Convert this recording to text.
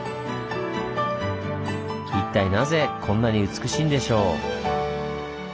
一体なぜこんなに美しいんでしょう？